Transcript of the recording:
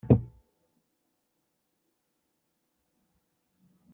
Anzaren-inu meẓẓiyit mliḥ.